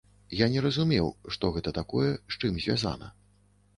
Я не разумеў, што гэта такое, з чым звязана.